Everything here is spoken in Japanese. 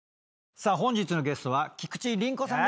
さあ本日のゲストは菊地凛子さん